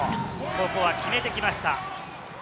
ここは決めてきました。